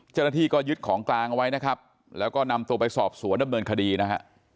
เจ้าหน้าที่ก็ยึดของกลางเอาไว้นะครับแล้วก็นำตัวไปสอบสวนดำเนินคดีนะฮะ